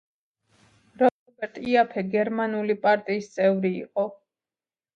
რობერტ იაფე გერმანული პარტიის წევრი იყო.